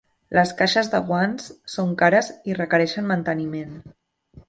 Les caixes de guants són cares i requereixen manteniment.